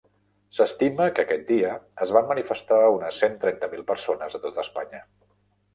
S'estima que aquest dia es van manifestar unes cent trenta mil persones a tota Espanya.